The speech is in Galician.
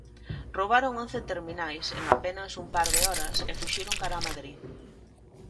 Roubaron once terminais en apenas un par de horas e fuxiron cara a Madrid.